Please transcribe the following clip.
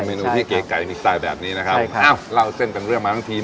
เป็นเมนูที่เก๋มีสไตล์แบบนี้นะครับใช่ครับเอ้าเล่าเส้นกันเรื่องมาทั้งที